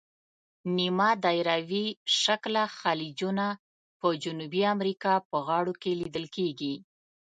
نیمه دایروي شکله خلیجونه په جنوبي امریکا په غاړو کې لیدل کیږي.